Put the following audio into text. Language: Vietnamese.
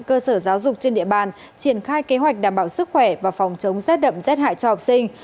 cơ sở giáo dục trên địa bàn triển khai kế hoạch đảm bảo sức khỏe và phòng chống rét đậm rét hại cho học sinh